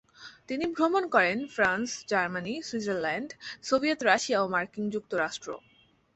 তিনি ভ্রমণ করেন France, Germany, Switzerland, Soviet Russia ও মার্কিন যুক্তরাষ্ট্র।